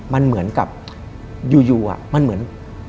มันเหมือนกับอยู่มันเหมือน